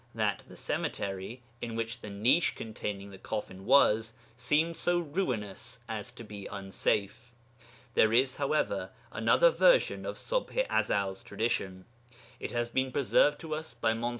that the cemetery, in which the niche containing the coffin was, seemed so ruinous as to be unsafe. There is, however, another version of Ṣubḥ i Ezel's tradition; it has been preserved to us by Mons.